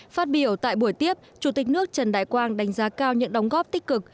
phát biểu tại buổi tiếp chủ tịch nước trần đại quang đánh giá cao những đóng góp tích cực